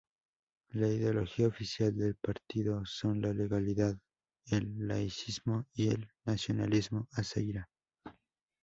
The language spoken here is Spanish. La ideología oficial del partido son la legalidad, el laicismo y el nacionalismo azerí.